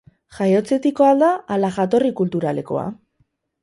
Jaiotzetikoa al da, ala jatorri kulturalekoa?